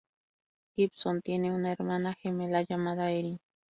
Gibson tiene una hermana gemela llamada Erin.